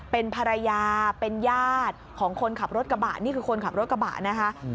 เป็นภรรยาเป็นญาติของคนขับรถกระบะนี่คือคนขับรถกระบะนะคะ